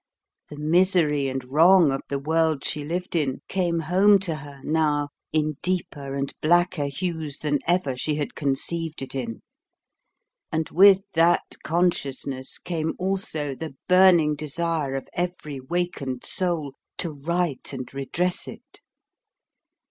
The misery and wrong of the world she lived in came home to her now in deeper and blacker hues than ever she had conceived it in: and with that consciousness came also the burning desire of every wakened soul to right and redress it.